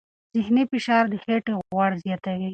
ذهني فشار د خېټې غوړ زیاتوي.